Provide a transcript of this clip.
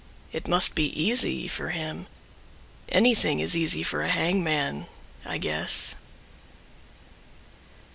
It must be easy For him. Anything is easy for a hangman, I guess.